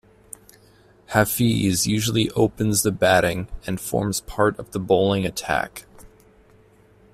Hafeez usually opens the batting and forms part of the bowling attack.